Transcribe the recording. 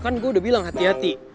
kan gue udah bilang hati hati